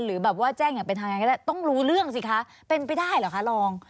หรือแบบว่าแจ้งอย่างเป็นทางการก็ได้ต้องรู้เรื่องสิคะเป็นไปได้เหรอคะรอง